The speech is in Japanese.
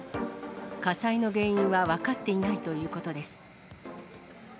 火災の原因は分かっていないということです。